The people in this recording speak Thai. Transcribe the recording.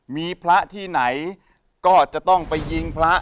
มีพระที่ไหนก็จะต้องไปยิงพระ